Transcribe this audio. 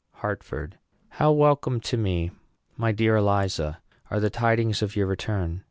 HARTFORD. How welcome to me, my dear Eliza, are the tidings of your return!